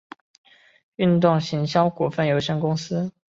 运动行销股份有限公司